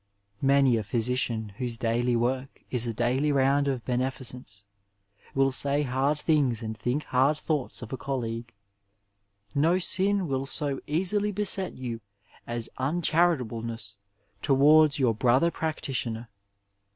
Many a physician whose daily work is a daily round of beneficence will say hard things and think hard thoughts of a colleague. No sin will so easily beset you as uncharitableness towards your brother practitioner.